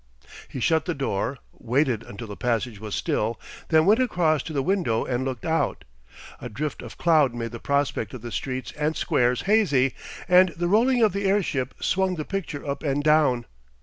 He shut the door, waited until the passage was still, then went across to the window and looked out. A drift of cloud made the prospect of the streets and squares hazy, and the rolling of the airship swung the picture up and down.